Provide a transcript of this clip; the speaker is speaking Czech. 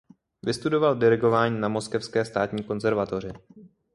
Vystudoval dirigování na Moskevské státní konzervatoři.